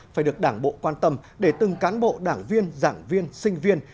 phải được đảng bộ quan tâm để từng cán bộ đảng viên giảng viên sinh viên